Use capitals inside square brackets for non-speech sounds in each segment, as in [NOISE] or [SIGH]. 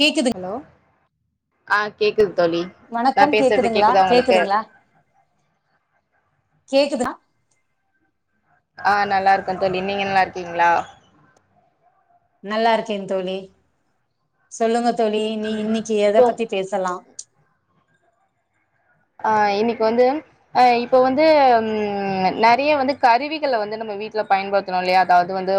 கேக்குது ஹலோ ஆ கேக்குது தோழி நா வணக்கம் ‌பேசுறது கேக்குதுங்களா கேக்குதா உங்களுக்கு கேக்குதுங்களா கேக்குதா ஆ நல்லா இருக்கே தோழி நீங்க நல்லா இருக்கீங்களா நல்லா இருக்கே தோழி சொல்லுங்க தோழி நீ இன்னிக்கு எத இப்போ பத்தி பேசலாம் ஆ இன்னிக்கு வந்து அ இப்ப வந்து நறையா வந்து கருவிகள வந்து நம்ம வீட்டுல பயன்படுத்தணோம் இல்லையா அதாவது வந்து்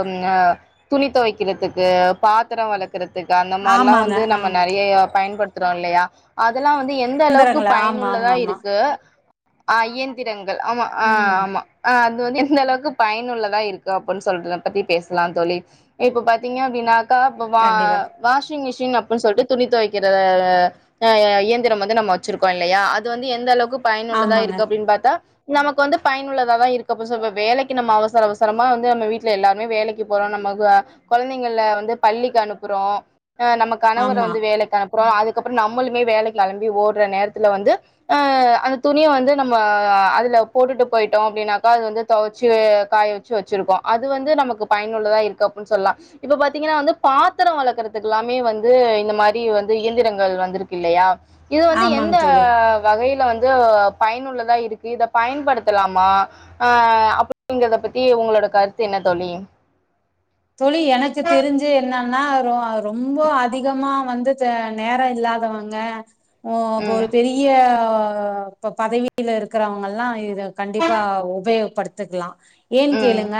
துணி துவைக்கிறதுக்கு பாத்திரோ வளக்கறதுக்கு சிக்கா அந்த மாரிலா ஆமாங்க வந்து நம்ம ஆமா நறைய பயன்படுத்த இருக்குறோ இல்லியா அத வந்து எந்த அளவுக்கு இயந்திரங்களா பயன் ஆமா உள்ளதா ஆமா ஆமா இருக்கு ஆ இயந்திரங்கள் ஆமா ஆ ம் ‌‌ ஆமா வந்து எந்த அளவுக்கு பயனுள்ளதா இருக்கு அப்டின்னு சொல்றத பத்தி பேசலா தோழி இப்ப பாத்தீங்கனா க கண்டிப்பா வாஷிங் மிஷின் அப்டின்னு சொல்லிட்டு துணித் துவைக்கிற இயந்திரம் வந்து நம்ம வச்சிருக்கோ ல்லையா அது வந்து எந்த அளவுக்கு பயனுள்ளதா ஆமாங்க இருக்கு அப்டின்னு பாத்தா நமக்கு வந்து பயனுள்ளதாதா இருக்கு இப்ப வேலைக்கு நம்ம அவசர அவசரமா வந்து நம்ம வீட்ல எல்லாருமே வேலைக்கு போறோம் நம்ம கொழந்தைங்கல வந்து நம்ம பள்ளிக்கு அனுப்புறோ ஆ நம்ம கணவர் ஆமா வந்து வேலைக்கு அனு அதுக்கப்புறோ நம்முளுமே வேலைக்கு கிளம்பி ஓடுற நேரத்து அதுல வந்து அந்த துணிய வந்து நம்ம அதுல போட்டுட்டு போயிட்டோம் அப்டின்னாக்கா அது வந்து துவைச்சு காய வச்சு வச்சிருக்கும் அது வந்து நமக்கு பயனுள்ளதா இருக்கு அப்டின்னு சொல்லாம் இப்ப பாத்தீங்கன்னா வந்து பாத்திரோ வளக்குறதுக்கு எல்லாமே வந்து இந்த மாரி வந்து இயந்திரங்கள் வந்துருக்கு இல்லையா இது வந்து எந்த ஆமாங்க தோழி வகைல வந்து பயனுள்ளதா இருக்கு இத பயன்படுத்தலாமா அப்படிங்குறத பத்தி உங்களோட கருத்து என்ன தோழி தோழி எனக்கு தெரிஞ்சு என்னனா ரோ ரொம்போ அதிகமா வந்து வந்துட்டு நேர இல்லாதவங்க ஓ அப்ப ஒரு ம் பெரிய இப்போ பதவியில இருக்குறவங்கலாம் இத கண்டிப்பா உபயோகப் படுத்திக்கலா ஏன் ம் கேளுங்க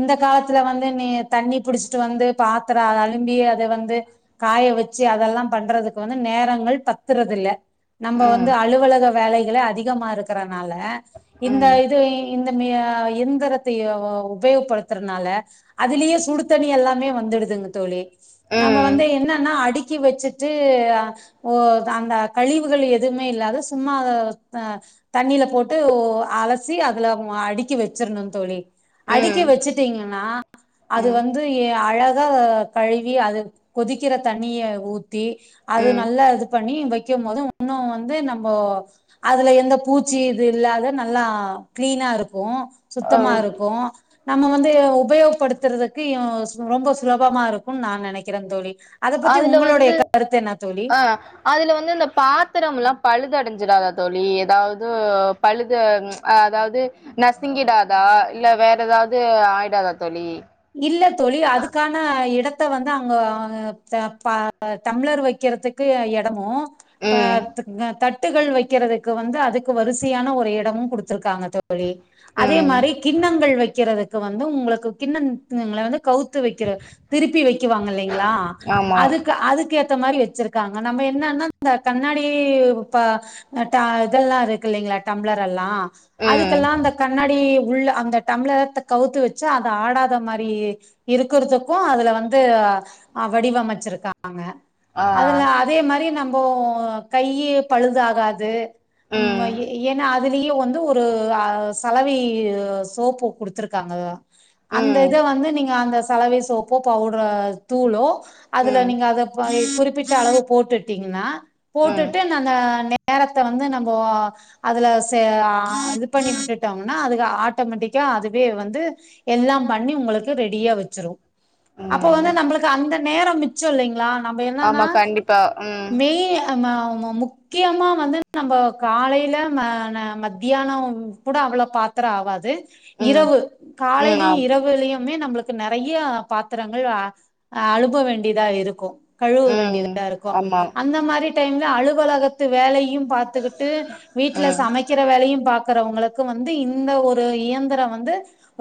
இந்த காலத்துல வந்து நீ தண்ணி புடிச்சிட்டு வந்து பாத்திரோ அலும்பி அத வந்து காய வச்சு அதெல்லா பண்றதுக்கு வந்து நேரங்கள் பத்துறது இல்ல நம்ம ம் வந்து அலுவலக வேலைகள அதிகமா இருக்கிற னால இந்த ம் இது இந்த ம எந்திரத்த உபயோகப்படுத்துறனால அதுலயே எல்லாமே வந்துடுதுங்க தோழி நம்ம ம் வந்து என்னன்னா அடி அடுக்கி வச்சுட்டு ஓ அந்த கழிவுகள் எதுவுமே இல்லாத சும்மா தண்ணில போட்டு அலசி அதுல அடுக்கி வச்சரணு தோழி அடிக்கி ம் வச்சுட்டீங்கன்னா அது ம் வந்து அழஹா கழுவி அது கொதிக்கிற தண்ணிய ஊத் அது ம் நல்லா இது பண்ணி வக் க்கும் போது இன்னுவந்து நம்ம அதுல எந்த பூச்சி இது இல்லாத நல்லா கிளீனா இருக்கு இருக்கு அ சுத்தமா இருக்கு நம்ம வந்து உபயோகப்படுத்த ரதுக்கு ரொம்ப சுலபமா இருக்கும்னு நான் நெனைக்கிறே தோழி அத பத்தி அதுல உங்களுடைய வந்து கருத்து என்ன தோழி ஆ அதுல வந்து அந்த பாத்திரலா பழுதடைஞ்ச டாதா தோழி ஏதாவது பழுது அதாவது நசிங்கிடாதா இல்ல வேற ஏதாவது ஆயிடாதா தோழி இல்ல தோழி அதுக்கான இடத்த வந்து அங்க தம்ளர் வைக்கிறதுக்கு இடமு ஆ [UNINTELLIGIBLE] ம். தட் தட்டுகள் வைக்கிறதுக்கு வந்து அதுக்கு வரிசையான ஒரு இடமு கொடுத்துருக்காங்க தோ ழி அதே ம். மாரி கிண்ணங்கள் வைக்கிறது வந்து உங்களுக்கு கின்ன ங்கள வந்து கவுத்து வைக்கிற திருப்பி வைக்கிவாங்க இலலைங்களா ஆமா. அதுக்கு அதுக்கு எத் தா மாரி வச்சிருக்காங்க நம்ம என்னன்னா இந்த கண்ணாடி ட இதெல்லாம் இருக்கு இல்லலைங்களா டம்ளர் எல்லா ம். அதுக்கெல்லா இந்த கண்ணாடி உள்ள அந்த டம்ளரத்தை கவுத்து வச்சு அதை ஆடாத மாரி இருக்கிறதுக்கு அதுல வந்து வடிவமைச்சிருக்காங் கா ஆ. அதுல அதே மாதிரி நம் ரொம்போ கையி பழுதுகாது ம் ஏன அதுலயே வந்து ஒரு அ சலவி சோப்பு கொடுத்துருக்காங்க ம் நீங்க அந்த சலவை சோப்போ பவுடர் தூளோ அதுல ம். நீங்க அத குறி ப்பிட்டு அளவு போட்டுட்டீங்கன்னா ம். போட்டுட்டு நல்ல நேரத்தை வந்து நம்ம அதுல இது பண்ணி விட்டுட்டோம்னா அதுக்கு ஆட்டோமேட்டிக்கா அதுவே வந்து எல்லாம் பண்ணி உங்களுக்கு ரெடியா வச்சிரும் அப்போ வந்து ம். நம்மளுக்கு அந்த நேரம் மிச்சோ இல்லைங்களா நம்ம என்னன்னா ஆமா கண்டிப்பா. ம். மேய் முக்கியமா வந்து நம்ம காலைல மத்தியானம் கூட அவ்ளோ பாத்ரம் ஆவாது ம். இரவு ம். காலலே ஆம். இரவு கியமே நம்மளுக்கு நிறைய பாத்தரங்கள் அலுப வேண்டியதா இருக்கும் கழுவ ம். வேண்டியதா இருக்கு ஆமா. அந்த மாரி டைம்ல அழு உலகத்து வேலை பாத்துக்கிட்டு வீட்டல ம். சமைக்கிற வேலையு பாக் க்கறவங்களுக்கு வந்து இந்த ஒரு இயந்திர வந்து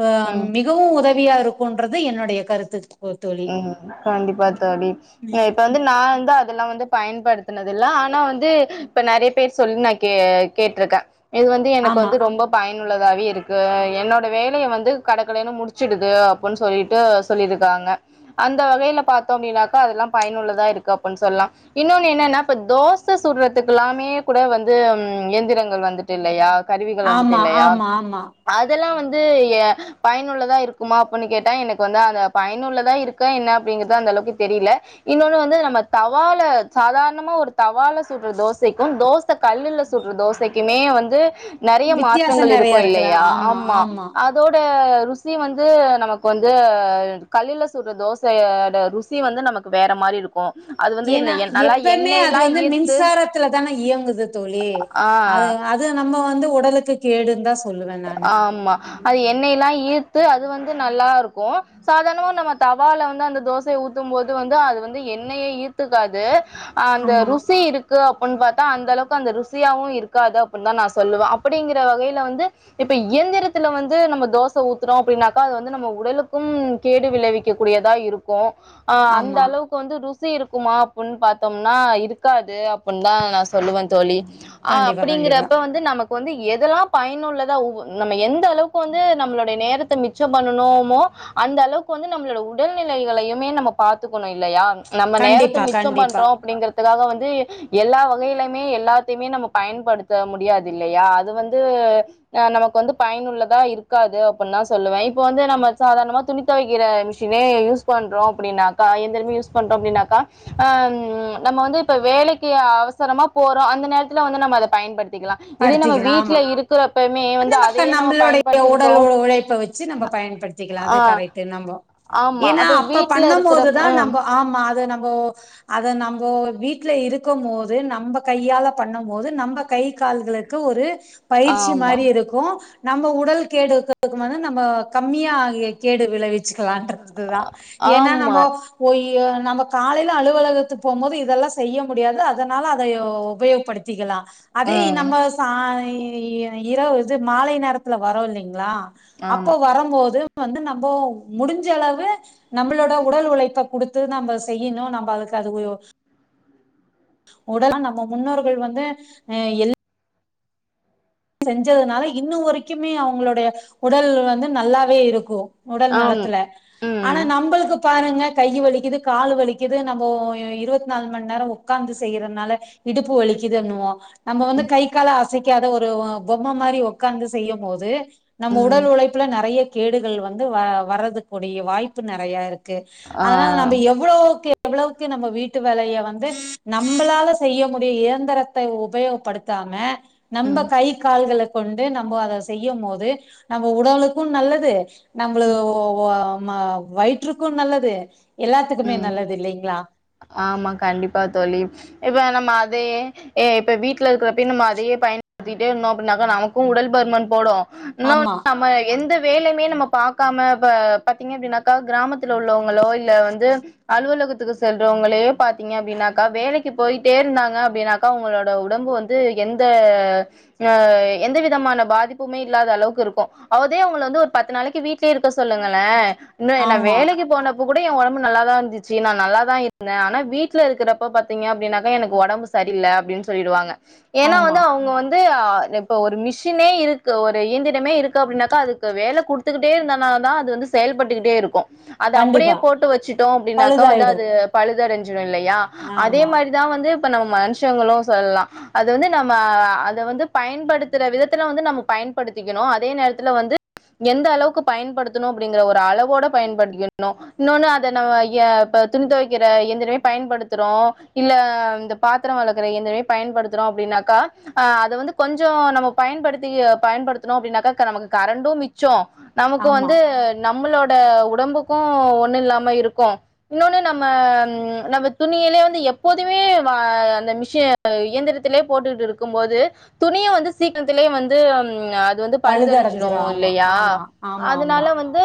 ஆ ம். மி உதவியா இருக்குன்றது என்னுடைய கருத்து கோ தோழி ம் கண்டிப்பா தோழி இப்ப வந்து நா வந்து அதெல்லா வந்து பயன்படுத்தினது இல்ல ஆனா வந்து இப்ப நிறைய பேர் சொல்லி நா கே கேட்டிருக்கே இது வந்து எனக்கு ஆமா வந்து ரொம்ப பயன் உள்ளதாவே இருக்கு என்னோட வேலைய வந்து கடக்கடன்னு முடிச்சிடுது அப்ன்னு சொல்லிட்டு சொல்லியிருக்காங்க அந்த வேலை பாத்தோ அப்டின்னாக்கா அதெல்லா பயனுள்ளதா இருக்கு அப்டின்னு சொல்லலா இன்னொன்னு என்னன்னா இப்ப தோச சுடுறதுக்கு எல்லாமே கூட வந்து எந்திரங்கள் வந்துட்டு இல்லயா கருவிகள் வந்துட்டு ஆமா இல்லயா ஆமா ஆமா அதெல்லா வந்து பயனுள்ளதா இருக்குமா அப்ன்னு கேட்டா எனக்கு வந்து அந்த பயனுள்ளது இருக்க என்ன அப்டிங்கறது அந்தளவுக்கு தெரியல இன்னொனு வந்து நம்ம தவால சாதாரணமா ஒரு தவால சுடுற தோசைக்கு தோச கல்லுல சுடுற தோசைக்குமே வந்து நிறைய வித்தியாசம் மாற்றங்கள் இருக்கு நெறைய இருக்கலா இல்லயா ஆமா அதோட ருசி வந்து நமக்கு வந்து கல்லுல சுட்ற தோசையோட ருசி வந்து நமக்கு வேற மாரி இருக்கு அது வந்து ஏன்னா என்ன நல்லா எப்பமே அது எண்ணெய்ல்லா வந்து ஈர்த்து மின்சாரத்துல தானே இயங்குது தோழி ஆ அது அது நம்ம வந்து வந்து உடலுக்கு கேடுந்தா சொல்லுவனானு ஆமா அது எண்ணெயல்லாம் ஈர்த்து அது வந்து நல்லா இருக்கு சாதாரணமா நம்ம தவால வந்து அந்த தோசைய ஊத்தும் போது வந்து அது வந்து எண்ணெய ஈர்த்தக்காது அந்த ஆமா ருசி இருக்கு ஒண்ணு பார்த்தா அந்த அளவுக்கு அந்த ருசியாவு இருக்காது அப்படின்னு தா நா சொல்லுவேன் அப்படிங்கிற வகையில வந்து இப்ப எயந்திரத்தல வந்து நம்ம தோச ஊத்துறோ அப்படின்னாக்கா அது வந்து நம்ம உடலுக்கும் கேடு விளைவிக்க கூடியதா இருக்கும் ஆ அந்த ஆமா அளவுக்கு வந்து ரூஸ் சி இருக்குமா அப்படின்னு பார்த்தோம்னா இருக்காது அப்படின்னு தா நா சொல்லுவே தோழி அ கண்டிப்பா கண்டிப்பா அப்படிங்கறப்ப வந்து நமக்கு வந்து எதெல்லா பயனுள்ள வ் நம்ம எந்த அளவுக்கு வந்து நம்மளுடைய நேரத்த மிச்சம் பண்ணனோமோ அந்த அளவுக்கு வந்து நம்மளோட உடல்நிலைகளையுமே நம்ம பாத்துக்கணு இல்லையா நம்ம நேரத்த கண்டிப்பா மிச்ச கண்டிப்பா பண்றோ அப்படிங்கறதுக்காக வந்து எல்லா வகையிலமே எல்லாத்தையுமே நம்ம பயன்படுத்த முடியாது இல்லையா அது வந்து அ நமக்கு வந்து பயனுள்ளதா இருக்காது அப்படின்ன தா சொல்லுவே இப்போ வந்து நம்ம சாதாரணமா துணி துவைக்கிற மிஷினே யூஸ் பண்றோம் அப்படின்னாக்கா இயந்திரமே யூஸ் பண்றோ அப்படின்னாக்கா நம்ம வந்து இப்போ வேலைக்கு அவசரமா போறோ அந்த நேரத்துல வந்து நம்ம அத பயன்படுத்த திக்லா இதே நம்ம வீட்ல இருக்கிற அந்த மாரி தா நம்மளுடைய உடல் உழைப்ப வச்சு நம்ம பயன்படுத்திக்கலா அது ஆ கரெக்ட் நம்ம ஆமா ஏனா அப்ப வீட்ல பண்ணு இருக்கிற போதுதா ம் நம்ம ஆமா அது நம்ம அது நம்ம வீட்டுல இருக்கும் போது நம்ம கையால பண்ணும் போது நம்ம கை கால்களுக்கு ஒரு பயிற்சி ஆமா மாரி இருக்கு நம்ம உடல் கேடுக்கு அம் நம்ம கம்மியா கேடு விளைவிச் லான்றது தா ஏனா ஆமா நம்ம ஒய் நம்ம காலையில அலுவலகத்து போம்போது இதெல்லா செய்ய முடியாது அதனால அத உபயோகப்படுத்திக்கலா அதே ம் நம்ம சாய் இரவு இது மாலை நேரத்துல வரோ இல்லைங்களா அப்ப ஆம் வரம்போது வந்து நம்ம முடிஞ்ச அளவு நம்மளோட உடல் உழைப்ப கொடுத்து நம்ம செய்யணு நம்ம அதுக்கு அது உட ல நம்ம முன்னோர்கள் வந்து அ எல் செஞ்சதுனால இன்னு வரைக்குமே அவங்களுடைய உடல் வந்து நல்லாவே இருக்கு உடல் ஆம் நலத்துல ம் ஆனா நம்மளுக்கு பாருங்க கை வலிக்குது கால் வலிக்குது நம்ம இருபத்தி நாலு ம நேர உட்காந்து செய்யிறனால இடுப்பு வலிக்குதுண்ணுவோ நம்ம வந்து கை கால ஆச சிக்காதா ஓர் ஒ பொம்ம மாரி உக்காந்து செய்யு போது நம் உடல் ம் உழைப்புல நிறைய கேடுகள் வந்து வ வரது கூடிய வாய்ப்பு நிறையா இருக் க் ஆ அதநாளா நம்ம எவளோ கே எவ்வளவுக்கு நம்ம வீட்டு வேலைய வந்து நம்மளால செய்ய முடிய இயந்திரத்த உபயோகப்படுத்தாம நம்ப ம் கை கால்கல கொண்டு நம்ம அத செய்யு போது நம்ம உடலுக்கு நல்லது நம்மலு [UNINTELLIGIBLE] மா வயிற்றுக்கு நல்லது எல்லாத்துக்குமே உம் நல்லது இல்லைங்களா ஆமா கண்டிப்பா தோழி இப்போ நம்ம அதயே இப்போ வீட்டில இருக்கிறப்பின் நம்ம அதையே பயன்படுத்திட்டே இருந்தோ அப்படின்னாக்கா நமக்கு உடல் பருமன் போடு இன்ன ஆமா நம்ம எந்த வேலைமே நம்ம பாக்காம பாத்தீங்க அப்படின்னாக்கா கிராமத்தில உள்ளவங்களோ இல்ல வந் வந்து அலுவலகத்துக்கு செல்றவங்களே பாத்தீங்க அப்படின்னாக்கா வேலைக்கு போயிட்டே இருந்தாங்க அப்படின்னாக்கா அவங்களோட உடம்பு வந்து எந்த அ எந்த விதமான பாதிப்புமே இல்லாத அளவுக்கு இருக்கு அதே அவங்கள வந்து ஒரு பத்து நாளைக்கு வீடலயே இருக்க சொல்லுங்கள இன்னு நா ஆமா வேலைக்கு போன இப்ப கூட ஏ உடம் நல்லாதா இருந்துச்சு நா நல்லா தா இருந்தே ஆனா வீட்டுல இருக்கிறப்ப பாத்தீங்க அப்படினாக்க எனக்கு உடம்பு சரியில்ல அப்படின்னு சொல்லிடுவாங்க ஏன்னா ஆமா வந்து அவங்க வந்து இப்ப ஒரு மிஷினே இருக்கு ஒரு இயந்திரமே இருக் அப்படின்னாக்கா அதுக்கு வேல கொடுத்துக்கிட்டே இருந்தா நா தா அது வந்து செயல்பட்டுக்கிட்டே இருக்கு அது அப்படியே கண்டிப்பா போட்டு வச்சு அப்புடின்னாக்கா வந்து பழுதாயிடு அது பழுத் தரஞ்சு ஞ்ரு இல்லையா அதே ஆமா மாரிதா வந்துப் இப்ப நம்ம மனுஷங்களு சொல்லலா அது வந்து நம்ம அது வந்து பயன்படுத்துற விதத்துல வந்து நம்ம பயன்படுத்திக்கணு அதே நேரத்துல வந்து எந்த அளவுக்கு பயன்படுத்தணு அப்டிங்கற ஒரு அளவோட பயன்படுத்திக்கணு இன்னொன்னு இப்ப நம்ம ய ப துணி தொவைக்கிற இயந்திரமே பயன்படுத்தறோ இல்ல இந்த பாத்தர வெளக்கற இயந்திரமே பயன்படுத்துறோ அப்டின்னாக்கா அத வந்து கொஞ்சோ நம்ம பயன்படுத்தி பயன்படுத்துனோ அப்டின்னாக்கா நமக்கு கரண்டு மிச்சோ நமக்கு ஆமா வந்து நம் மளோட உடம்புக்கு ஒண்ணு இல்லாம இருக்கு இன்னோனு நம்ம நம்ம துணியில வந்து எப்போதுமே வா அந்த மிஷின் இயந்திரத்திலே போட்டுட்டு இருக்கும் போது துணிய வந்து சீக்கிரத்திலே வந்து அது வந்து பழுதடிஞ்சிடு பழுதடைஞ்சிரு ஆமா இல்லையா ஆமா ஆமா ஆமா அதுனால வந்து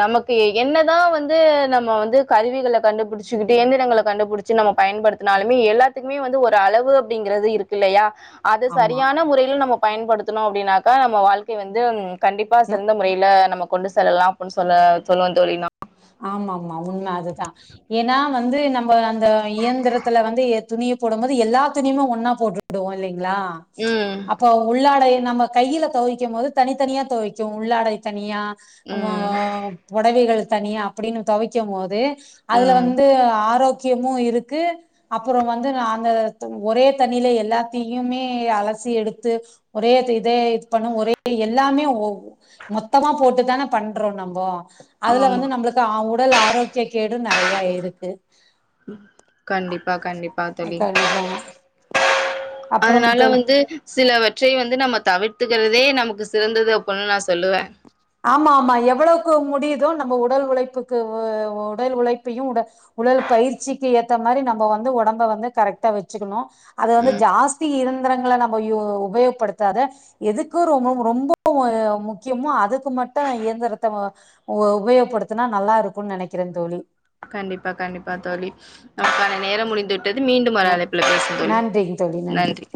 நமக்கு என்னதா வந் து நம்ம வந்து கருவிகள கண்டுபிடிச்சிகிட்டு இயந்திரங்கள கண்டுபிடிச்சி நம்ம பயன்படுத்துனாலுமே எல்லாத்துக்குமே வந்து ஒரு அளவு அப்டிங்கறது இருக்கில்லையா அது ஆமா சரியான முறையில நம்ம பயன்படுத்துணோ அப்டின்னாக்கா நம்ம வாழ்க்கை வந்து கண்டிப்பா சிறந்த முறையில நமக்கு கொண்டு செல்லலா அப்டின் சொல்ல சொல்வே தோழி நா ஆமாமா உண்ம அதுதா ஏன்னா வந்து நம்ம அந்த இயந்திரத்துல வந்து துணிய போடும் போது எல்லா துணிமே ஒன்னா போட்டுடுவோ இல்லைங் ளா ம் அப்போ உள்ளாடை நம்ம கையில தொவிக்கும் போது தனித்தனியா தொவிக்கு உள்ளாடை தனியா ஆ ம் பொடவைகள் தனியா அப்புடின்னு துவைக்கும் மோது அதுல ம் வந்து ஆரோ க்கியமும் இருக்கு அப்புறோ வந்து நாங்க த் ஒரே தண்ணிலே எல்லாத்தையுமே அலசி எடுத்து ஒரே து இதே இது பண்ணும் ஒரே எல்லாமே ஒ மொத்தமா போட்டுதானே பண்றோ நம்போ அதுல ஆமா வந்து நம்மளுக்கு ஆ உடல் ஆரோக்கிய கேடும் நறையா இருக்கு கண்டிப்பாக் கண்டிப்பா தோழி கண்டிப்பாங்க அப்புறம் அதனால தோழி வந்து சிலவற்றை வந்து நம்ம தவிர்த்துக்கிறதே நமக்கு ஸ் சிறந்தது அப்பன்னா நா சொல்லுவேன் ஆமா ஆமா எவ்வளவுக்கு முடியுதோ நம்ம உடல் உழைப்புக்கு வு உடல் உழைப்பையும் உட உடல் பயிற்சிக்கி ஏத்த மாரி நம்போ வந்து ஒடம்ப வந்து கரெக்டா வெச்சுக்குணும் அத வந்து ம் ஜாஸ்தி இருந் விவரங்கள நம்ப யூ உபயோகப்படுத்தாத எதுக்கு ரொம்போ மு ரொம்போ முக்கியமோ அதுக் க்கு மட்டு எந்த எந்தரத்த வு வு உபயோகப்படுத்துனா நல்லா இருக்கும் நெனைக்கிறேன் தோழி கண்டிப்பா கண்டிப்பா தோழி நமக்கான நேரம் முடிந்து விட் டது மீண்டும் வர ந அழைப்புல பேசலா தோழி நன்றிங்க தோழி நன்றி